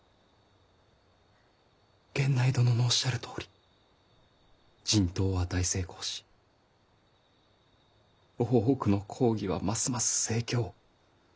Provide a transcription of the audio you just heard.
源内殿のおっしゃるとおり人痘は大成功し大奥の講義はますます盛況。